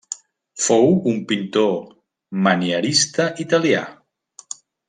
Fou un pintor manierista italià.